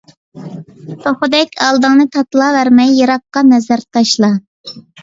توخۇدەك ئالدىڭنى تاتىلاۋەرمەي، يىراققا نەزەر تاشلا!